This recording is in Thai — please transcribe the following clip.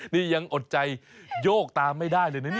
นี่ยังอดใจโยกตามไม่ได้เลยนะเนี่ย